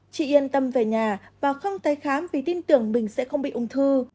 chị yên tâm về nhà và không tới khám vì tin tưởng mình sẽ không bị ung thư